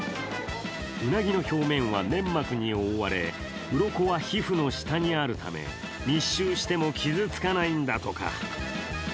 ウナギの表面は粘膜に覆われうろこは皮膚の下にあるため、密集しても傷つかないんだとか。